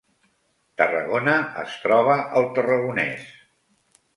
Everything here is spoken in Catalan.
Tarragona es troba al Tarragonès